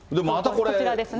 こちらですね。